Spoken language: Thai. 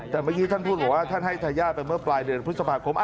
แต่เมื่อกี้ท่านพูดบอกว่าท่านให้ทายาทไปเมื่อปลายเดือนพฤษภาคม